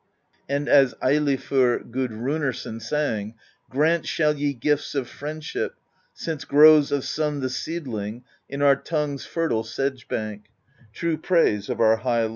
And as Eilifr Gudrunarson sang: Grant shall ye gifts of friendship, Since grows of Son the Seedling In our tongue's fertile sedge bank: True praise of our High Lord.